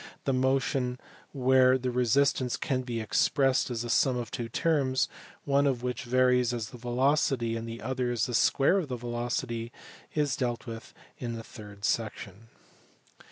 The motion where the resistance can be expressed as the sum of two terms, one of which varies as the velocity and the other as the square of the velocity, is dealt with in the third section.